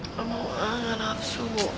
mau angan hafsu